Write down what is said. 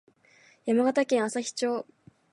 山形県朝日町